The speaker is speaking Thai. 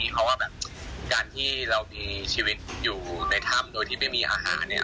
เพราะว่าแบบการที่เรามีชีวิตอยู่ในถ้ำโดยที่ไม่มีอาหารเนี่ย